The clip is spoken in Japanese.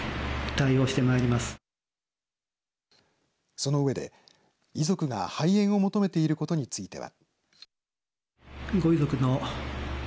その上で遺族が廃園を求めていることについては。